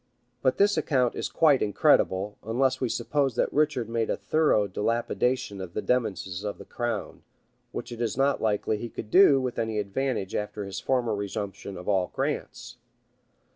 But this account is quite incredible, unless we suppose that Richard made a thorough dilapidation of the demesnes of the crown, which it is not likely he could do with any advantage after his former resumption of all grants.